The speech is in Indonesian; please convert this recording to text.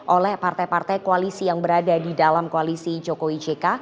oleh partai partai koalisi yang berada di dalam koalisi jokowi jk